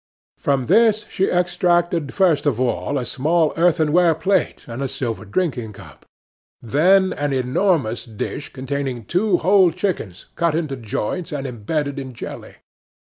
From this she extracted first of all a small earthenware plate and a silver drinking cup, then an enormous dish containing two whole chickens cut into joints and imbedded in jelly.